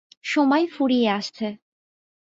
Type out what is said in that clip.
সময় ফুরিয়ে আসছে।